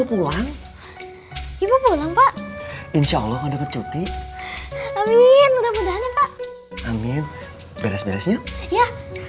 pulang ibu pulang pak insya allah ada cuti amin mudah mudahan amin beres beresnya iya